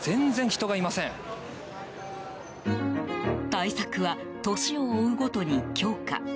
対策は年を追うごとに強化。